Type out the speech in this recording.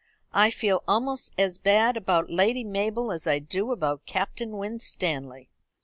"I feel almost as bad about Lady Mabel as I do about Captain Winstanley."